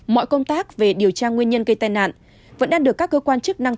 mọi công tác về điều tra nguyên nhân gây tai nạn vẫn đang được các cơ quan chức năng